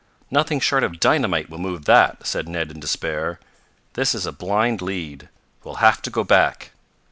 "Nothing short of dynamite will move that," said Ned in despair. "This is a blind lead. We'll have to go back."